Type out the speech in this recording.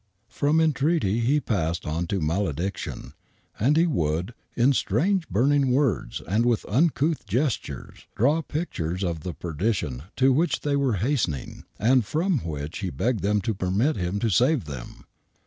From entreaty he passed to malediction, and he would, in strange burning words and with uncouth gestures, draw pictures of the perdition to which they were hastening,, and from which Up begged them to permit him to save them.